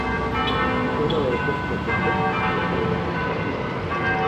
Uno de estos procesos es el legislativo.